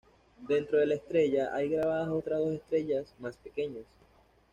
Dentro de la estrella, hay grabadas otras dos estrellas más pequeñas.